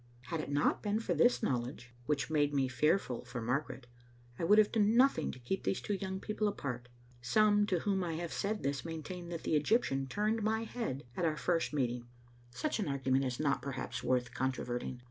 Had it not been for this knowledge, which made me fearful for Margaret, I would have done nothing to keep these two young peo ple apart. Some to whom I have said this maintain that the Egyptian turned my head at our first meeting. Digitized by VjOOQ IC S90 Qbe Xfttle Ainl0ter« Such an argument is not perhaps worth controverting.